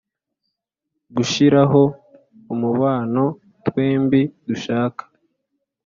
gushiraho umubano twembi dushaka